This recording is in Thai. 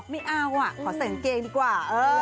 ไม่เอาอ่ะขอเสร็จเกงดีกว่า